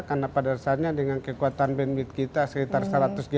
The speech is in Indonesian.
karena pada dasarnya dengan kekuatan bandwidth kita sekitar satu dua juta